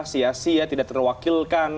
sia sia tidak terwakilkan